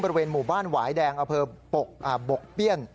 บริเวณหมู่บ้านหวายแดงอเภอปกเปี้ยน